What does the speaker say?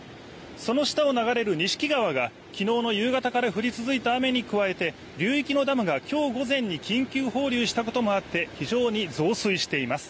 その下を流れる錦川が昨日の夕方から降り続いた雨に加えて流域のダムが今日午前に緊急放流したこともあって非常に増水しています。